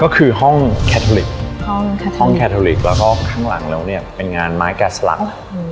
ก็คือห้องห้องแล้วก็ข้างหลังเลยเนี้ยเป็นงานไม้แก๊สหลักโอ้เหมาะ